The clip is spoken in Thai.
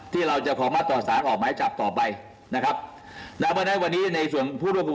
พยาฐานยังเชื่อมโยงไปไม่ถึงบ้างอะไรบ้างนะครับ